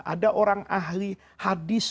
ada orang ahli hadis